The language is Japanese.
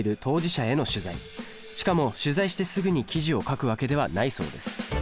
しかも取材してすぐに記事を書くわけではないそうです